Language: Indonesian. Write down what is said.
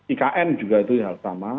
ikn juga itu hal sama